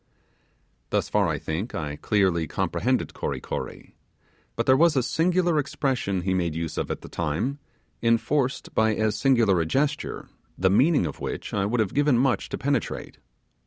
Thus far, I think, I clearly comprehended Kory Kory. But there was a singular expression he made use of at the time, enforced by as singular a gesture, the meaning of which I would have given much to penetrate.